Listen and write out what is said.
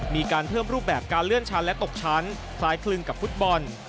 มีการเพิ่มรูปแบบการเลื่อนชั้นและตกชั้นคล้ายคลึงกับฟุตบอล